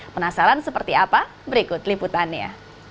penasaran seperti apa berikut liputannya